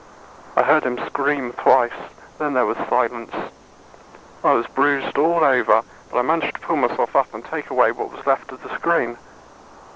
I heard him scream twice, then there was silence. I was bruised all over, but I managed to pull myself up and take away what was left of the screen.